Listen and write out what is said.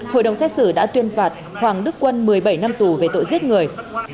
hội đồng xét xử đã tuyên phạt hoàng đức quân một mươi bảy năm tù về tội giết người